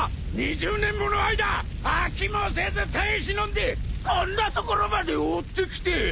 ２０年もの間飽きもせず耐え忍んでこんな所まで追ってきて！